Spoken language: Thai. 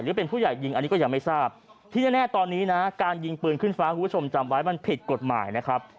หรือเป็นผู้ใหญ่ยิงอันนี้ก็ยังไม่ทราบที่แน่ตอนนี้นะการยิงปืนขึ้นฟ้าคุณผู้ชมจำไว้มันผิดกฎหมายนะครับ